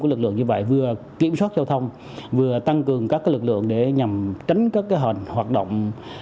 lực lượng như vậy vừa kiểm soát giao thông vừa tăng cường các lực lượng để nhằm tránh các hình hoạt động